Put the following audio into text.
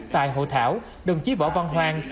tại hội thảo đồng chí võ văn hoang